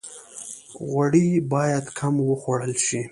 غوړي باید کم وخوړل شي